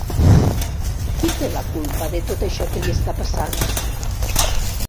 Qui té la culpa de tot això que li està passant?